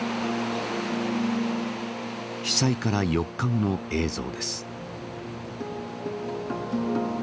被災から４日後の映像です。